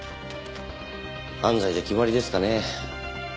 安西で決まりですかね。